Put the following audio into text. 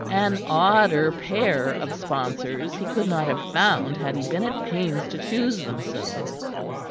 An odder pair of sponsors he could not have found had he been at pains to choose them so.